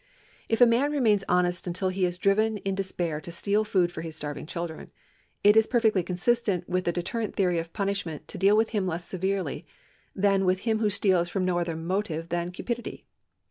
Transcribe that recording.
If a man remains honest until he is driven in despair to steal food for his starving children, it is perfectly consistent with the deterrent theory of punish ment to deal with him less severely than with him who steals from no other motive than cupidity.